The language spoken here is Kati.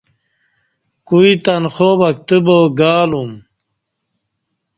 کوئی تنخوا وکتہ با گالوم